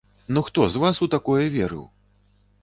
Ну хто з вас у такое верыў?